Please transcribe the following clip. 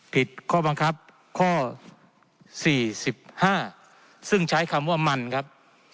ผิดข้อบังคับข้อ๔๕ซึ่งใช้คำว่ามันครับ